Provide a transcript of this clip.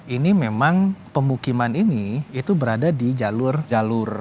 ini memang pemukiman ini itu berada di jalur jalur